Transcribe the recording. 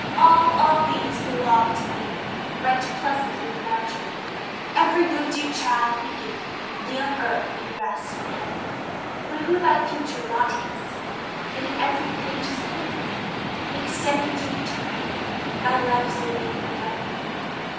All, all these belong to thee, Right pleasant little Margerie. Every good, dear child, be given Thee on earth, and rest in heaven. But who thy future lot can see? All, every page is hid from me; Xtended through eternity, Thy life so late begun will be.